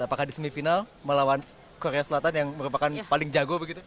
apakah di semifinal melawan korea selatan yang merupakan paling jago begitu